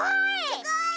すごい！